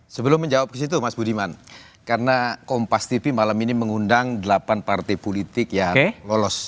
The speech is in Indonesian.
sebelum menjawab ke situ mas budiman karena kompas tv malam ini mengundang delapan partai politik yang lolos